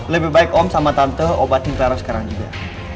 lebih baik om sama tante obatin teror sekarang juga